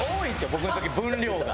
僕の時分量が。